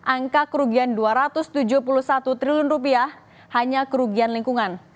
angka kerugian rp dua ratus tujuh puluh satu triliun hanya kerugian lingkungan